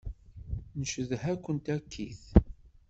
Ncedha-kent akkit.